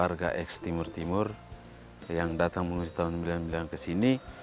ya mereka adalah warga eksklusif timur timur yang datang menuju tahun seribu sembilan ratus sembilan puluh sembilan ke sini